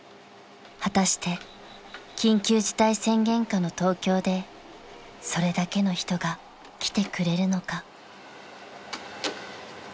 ［果たして緊急事態宣言下の東京でそれだけの人が来てくれるのか？］